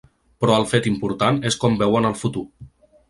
Però el fet important és com veuen el futur.